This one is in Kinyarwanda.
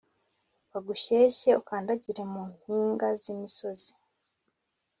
bagushyeshye Ukandagire mu mpinga z imisozi